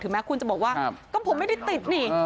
แม้คุณจะบอกว่าก็ผมไม่ได้ติดนี่